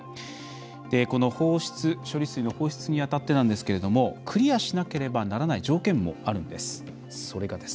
この処理水の放出にあたってですけどクリアしなければならない条件もあるんです。